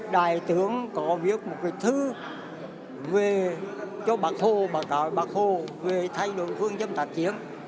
đại tướng có viết một cái thư về cho bác hồ bà cò bác hồ về thay đồn phương dân tàn chiếm